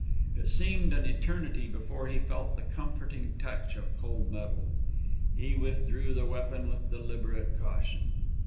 It seemed an eternity before he felt the comforting touch of cold metal. He withdrew the weapon with deliberate caution.